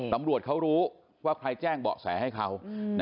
ตำรวจเขารู้ว่าใครแจ้งเบาะแสให้เขา